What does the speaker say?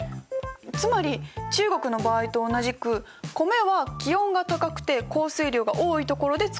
つまり中国の場合と同じく米は気温が高くて降水量が多いところで作られる。